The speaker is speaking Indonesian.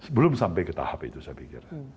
belum sampai ke tahap itu saya pikir